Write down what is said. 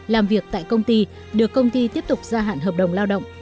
làm việc tại công ty được công ty tiếp tục gia hạn hợp đồng lao động